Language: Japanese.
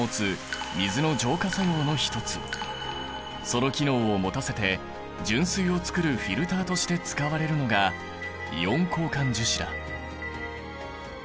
その機能を持たせて純水をつくるフィルターとして使われるのがイオン交換樹脂だ。